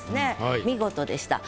見事でした。